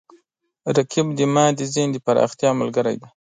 رقیب زما د ذهن د پراختیا ملګری دی